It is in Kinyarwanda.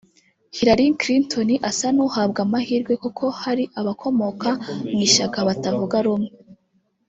Hillary Clinton asa n’uhabwa amahirwe kuko hari abakomoka mu ishyaka batavuga rumwe